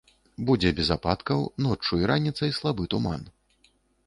Будзе без ападкаў, ноччу і раніцай слабы туман.